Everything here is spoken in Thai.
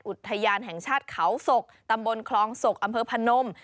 อุทยานแห่งชาติเขาศกตำบลคลองศกอำเภอพนม